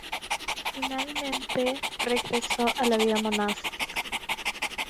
Finalmente regresó a la vida monástica.